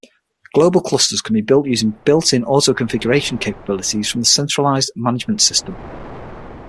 Global clusters can be built using built-in auto-configuration capabilities from the centralized management system.